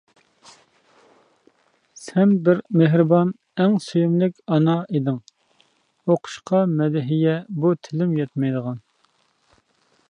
سەن بىر مېھرىبان، ئەڭ سۆيۈملۈك ئانا ئىدىڭ، توقۇشقا مەدھىيە بۇ تىلىم يەتمەيدىغان.